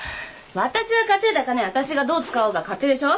私が稼いだ金あたしがどう使おうが勝手でしょ。